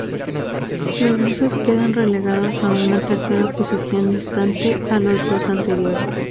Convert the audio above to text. Los rusos quedan relegados a una tercera posición distante a los dos anteriores.